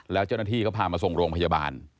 แล้วเจ้าหน้าที่เขาพามาส่งโรงพยาบาล